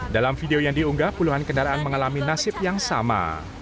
dalam video yang diunggah puluhan kendaraan mengalami nasib yang sama